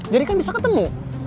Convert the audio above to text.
jadi kan bisa ketemu